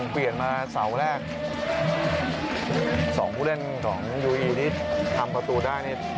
เปลี่ยนมาเสาแรกสองผู้เล่นของยูอีที่ทำประตูได้นี่